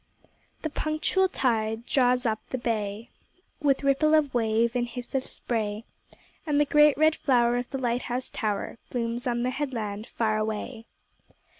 The punctual tide draws up the bay, With ripple of wave and hiss of spray, And the great red flower of the light house tower Blooms on the headland far away.